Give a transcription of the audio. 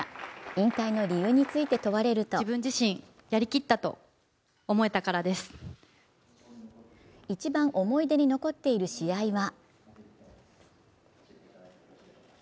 引退の理由について問われると一番思い出に残っている試合は？